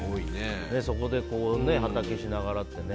そこで畑しながらってね。